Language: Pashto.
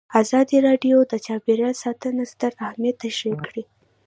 ازادي راډیو د چاپیریال ساتنه ستر اهميت تشریح کړی.